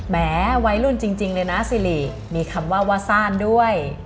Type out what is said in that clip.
แม้วัยรุ่นจริงเลยนะสิริมีคำว่าว่าซ่านด้วย